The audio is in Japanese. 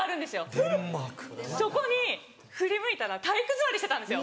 ・デンマーク・そこに振り向いたら体育座りしてたんですよ。